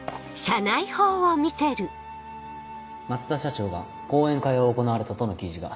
増田社長が講演会を行われたとの記事が。